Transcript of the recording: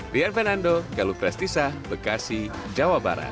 rian fernando galuh prestisa bekasi jawa barat